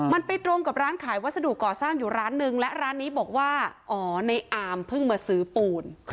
มันไปตรงกับร้านขายวัสดุก่อสร้างอยู่ร้านนึงและร้านนี้บอกว่าอ๋อในอามเพิ่งมาซื้อปูน